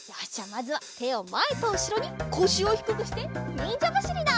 まずはてをまえとうしろにこしをひくくしてにんじゃばしりだ！